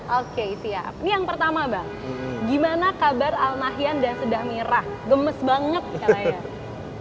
oke siap ini yang pertama bang gimana kabar al nahyan dan sedah merah gemes banget katanya